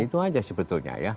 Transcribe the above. dan itu aja sebetulnya ya